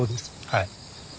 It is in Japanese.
はい。